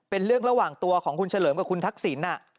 เป็นเรื่องระหว่างตัวของคุณเฉลิมกับคุณทักษิณ